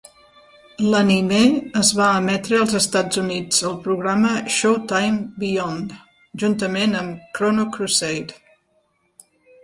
L'animé es va emetre als Estats Units al programa Showtime Beyond, juntament amb "Chrono Crusade".